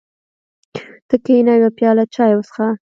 ته کېنه یوه پیاله چای وڅښه.